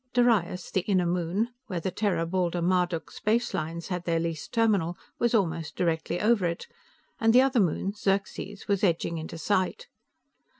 Darius, the inner moon, where the Terra Baldur Marduk Spacelines had their leased terminal, was almost directly over it, and the other moon, Xerxes, was edging into sight.